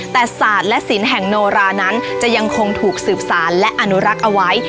แต่ศาสตร์และศิลป์แห่งโนรานั้นจะยังคงถูกสืบสารและอนุรักษ์เอาไว้